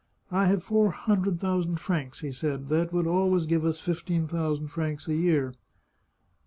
" I have four hundred thousand francs," he said ;" that would always give us fifteen thousand francs a year."